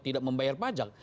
tidak membayar pajak